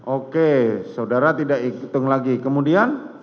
oke saudara tidak hitung lagi kemudian